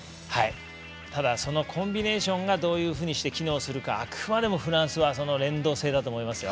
ただそのコンビネーションがどう機能するかあくまでもフランスは連動性だと思いますよ。